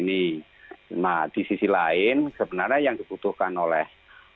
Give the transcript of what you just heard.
nah di sisi lain sebenarnya yang dibutuhkan oleh